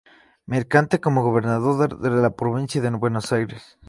Mercante como gobernador de la provincia de Buenos Aires.